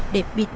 để bị đồng hối